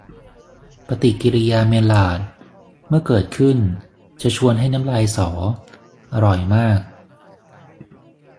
ปฏิกริยาเมลลาร์ด เมื่อเกิดขึ้น จะชวนให้น้ำลายสอ อร่อยมาก